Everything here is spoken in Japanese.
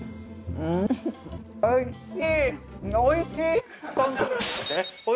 うんおいしい。